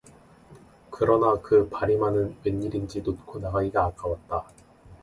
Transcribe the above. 그러나 그 바리만은 웬일인지 놓고 나가기가 아까웠다.